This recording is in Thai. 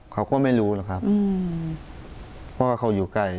เขาก็ไม่รู้หรอกครับเพราะว่าเขาอยู่ไกล